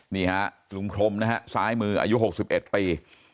นี่ฮะลุงพรมนะฮะซ้ายมืออายุ๖๑ปี